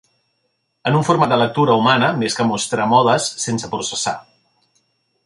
en un format de lectura humana, més que mostrar modes sense processar.